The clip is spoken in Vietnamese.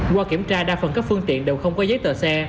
qua kiểm tra đa phần các phương tiện đều không có giấy tờ xe